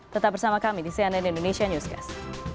tetap bersama kami di cnn indonesia newscast